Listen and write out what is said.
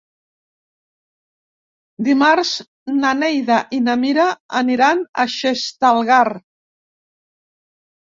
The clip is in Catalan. Dimarts na Neida i na Mira aniran a Xestalgar.